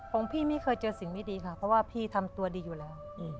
ของพี่ไม่เคยเจอสิ่งไม่ดีค่ะเพราะว่าพี่ทำตัวดีอยู่แล้ว